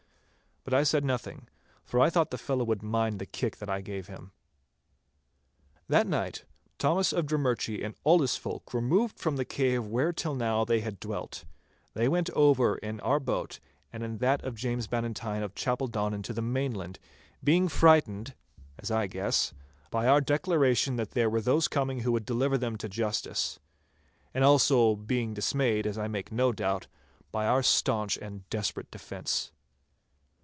But I said nothing, for I thought the fellow would mind the kick that I gave him. That night Thomas of Drummurchie and all his folk removed from the cave where till now they had dwelt. They went over in our boat and in that of James Bannatyne of Chapeldonnan to the mainland, being frightened (as I guess) by our declaration that there were those coming who would deliver them to justice. And also being dismayed, as I make no doubt, by our staunch and desperate defence.